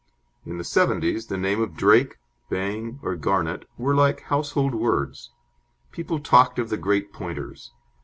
In the 'seventies the name of Drake, Bang, or Garnet were like household words. People talked of the great Pointers.